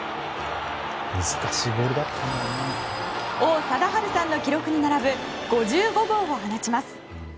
王貞治さんの記録に並ぶ５５号を放ちます。